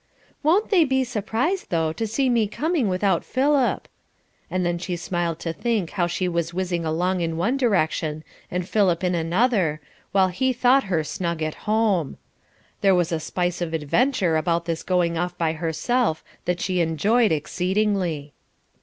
"Won't they be surprised, though, to see me coming without Philip," and then she smiled to think how she was whizzing along in one direction, and Philip in another, while he thought her snug at home. There was a spice of adventure about this going off by herself that she enjoyed exceedingly.